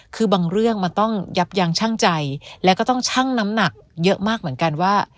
คือบางเรื่องมันต้องยับยั้งชั่งใจแล้วก็ต้องชั่งน้ำหนักเยอะมากเหมือนกันว่า